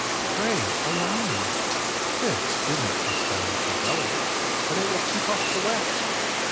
"Pray allow me! This isn't a stylish umbrella, but it will keep off the wet."